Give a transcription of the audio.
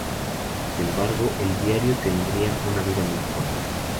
Sin embargo, el diario tendría una vida muy corta.